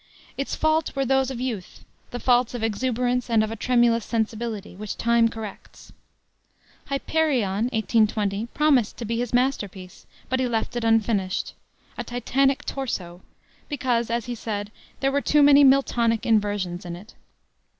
Its faults were those of youth, the faults of exuberance and of a tremulous sensibility, which time corrects. Hyperion, 1820, promised to be his masterpiece, but he left it unfinished "a Titanic torso" because, as he said, "there were too many Miltonic inversions in it."